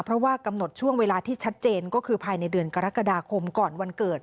เพราะว่ากำหนดช่วงเวลาที่ชัดเจนก็คือภายในเดือนกรกฎาคมก่อนวันเกิด